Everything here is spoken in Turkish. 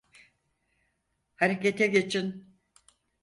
Harekete geçin!